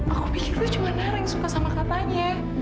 aku pikir lu cuma nara yang suka sama katanya